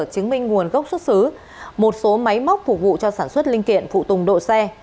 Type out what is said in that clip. chứng minh nguồn gốc xuất xứ một số máy móc phục vụ cho sản xuất linh kiện phụ tùng độ xe